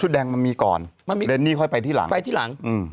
เรนนี่ค่อยไปที่หลัง